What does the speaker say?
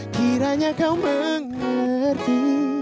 kiranya kau mengerti